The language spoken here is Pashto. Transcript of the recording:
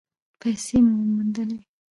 پیسې مو وموندلې؟